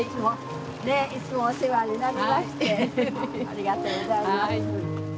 ありがとうございます。